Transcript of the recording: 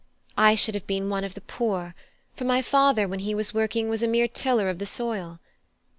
I should have been one of the poor, for my father when he was working was a mere tiller of the soil.